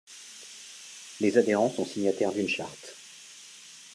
Les adhérents sont signataires d'une charte.